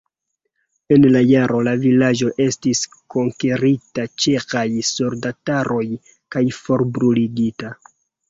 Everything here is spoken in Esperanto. En la jaro la vilaĝo estis konkerita ĉeĥaj soldataroj kaj forbruligita.